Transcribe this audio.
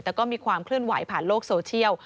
แต่ก็มีความเคลื่อนไหวผ่านโลกโซเชียล